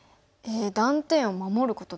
断点を守ることですか？